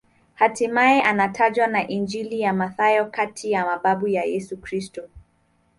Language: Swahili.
Hatimaye anatajwa na Injili ya Mathayo kati ya mababu wa Yesu Kristo.